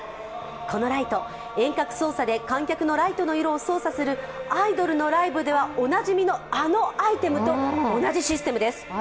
このライト、遠隔操作で観客のライトの色を操作するアイドルのライブではおなじみのあのアイテムと同じシステムです。